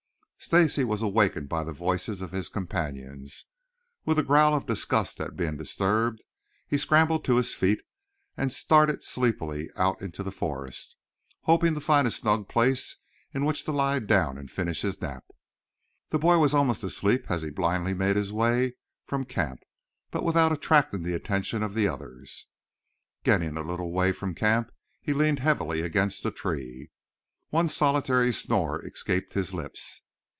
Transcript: Stacy was awakened by the voices of his companions. With a growl of disgust at being disturbed, he scrambled to his feet and started sleepily out into the forest, hoping to find a snug place in which to lie down and finish his nap. The boy was almost asleep as he blindly made his way from camp, but without attracting the attention of the others. Getting a little way from camp he leaned heavily against a tree. One solitary snore escaped his lips.